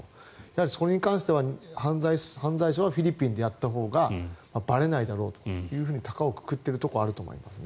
それに関しては犯罪はフィリピンでやったほうがばれないだろうというふうに高をくくっているところはあるでしょうね。